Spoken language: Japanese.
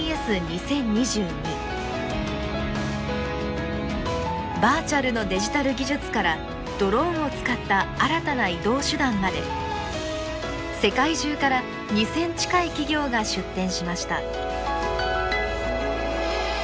市バーチャルのデジタル技術からドローンを使った新たな移動手段まで世界中から２，０００近い企業が出展しました。